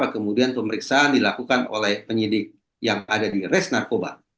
karena kemudian pemeriksaan dilakukan oleh penyidik yang ada di res narkoba